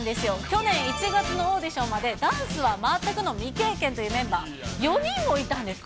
去年１月のオーディションまで、ダンスは全くの未経験というメンバー、４人もいたんです。